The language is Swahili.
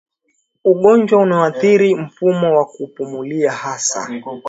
ugonjwa unaoathiri mfumo wa kupumulia hasa